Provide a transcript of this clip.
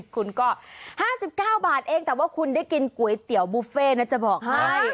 คุณก็๕๙บาทเองแต่ว่าคุณได้กินก๋วยเตี๋ยวบุฟเฟ่น่าจะบอกให้